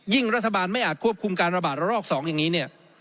ยิ่งรัฐบาลไม่อาจควบคุมการระบาดรอรอกสองอย่างนี้